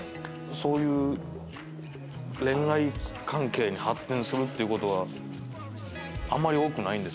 そういう恋愛関係に発展するっていう事はあんまり多くないんですか？